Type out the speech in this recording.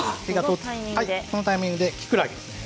このタイミングできくらげですね。